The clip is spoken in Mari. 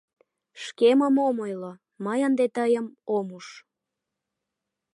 Шкемым ом ойло, мый ынде тыйым ом уж.